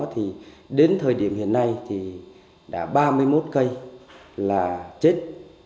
thì đến thời điểm hiện nay thì đã ba mươi một cây là chết